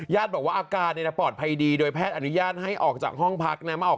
บอกว่าอาการปลอดภัยดีโดยแพทย์อนุญาตให้ออกจากห้องพักนะมาออก